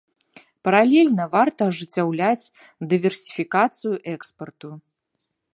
Паралельна варта ажыццяўляць дыверсіфікацыю экспарту.